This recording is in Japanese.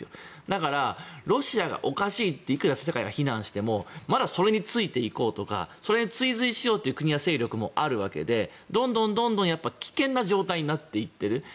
だからロシアがおかしいっていくら世界が非難してもまだそれについていこうとかそれに追随していこうという国や勢力もあるわけでどんどん危険な状態になっていっている。